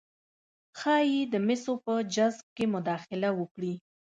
ښايي د مسو په جذب کې مداخله وکړي